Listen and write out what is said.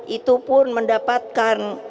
itu pun mendapatkan